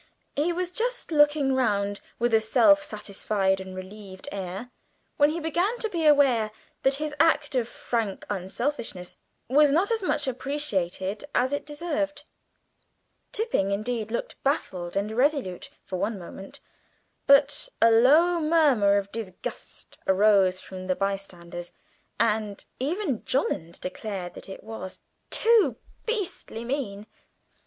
He was just looking round with a self satisfied and relieved air, when he began to be aware that his act of frank unselfishness was not as much appreciated as it deserved. Tipping, indeed, looked baffled and irresolute for one moment, but a low murmur of disgust arose from the bystanders, and even Jolland declared that it was "too beastly mean."